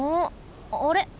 あれ？